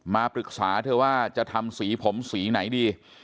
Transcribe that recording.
มาปรึกษาเธอว่าจะทำสีผมสีไหนดี